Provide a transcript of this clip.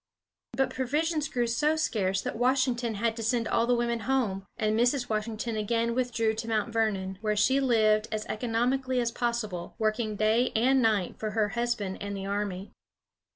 But provisions grew so scarce that Washington had to send all the women home, and Mrs. Washington again withdrew to Mount Vernon, where she lived as economically as possible, working day and night for her husband and the army.